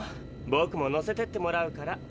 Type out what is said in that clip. ぼくも乗せてってもらうから。